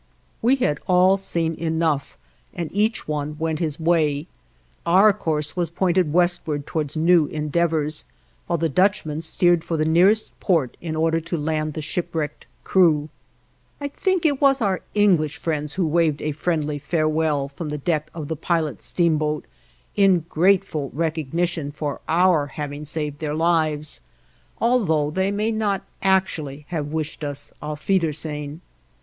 We had all seen enough, and each one went his way. Our course was pointed westward towards new endeavors, while the Dutchman steered for the nearest port in order to land the shipwrecked crew. I think it was our English friends who waved a friendly farewell from the deck of the pilot steamboat in grateful recognition for our having saved their lives, although they may not actually have wished us "aufwiedersehn."